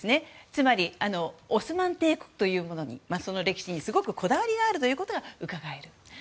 つまりオスマン帝国というものにその歴史にすごく、こだわりがあることがうかがえる。